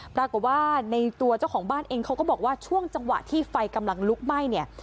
ปรากฏว่าในตัวเจ้าของบ้านเองเขาก็บอกว่าช่วงจังหวะที่ไฟกำลังลุกไหม้เนี่ย